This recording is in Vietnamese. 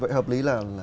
vậy hợp lý là